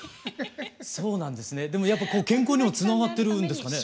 そうなんですねでもやっぱ健康にもつながってるんですかね。